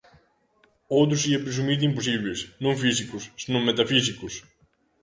O outro sería presumir de imposibles, non físicos, senón metafísicos.